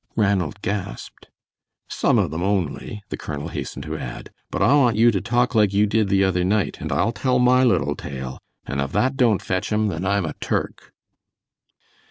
Ranald gasped. "Some of them only," the colonel hastened to add, "but I want you to talk like you did the other night, and I'll tell my little tale, and if that don't fetch 'em then I'm a Turk."